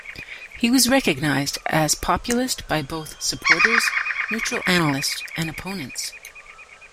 He was recognized as populist by both supporters, neutral analysts, and opponents.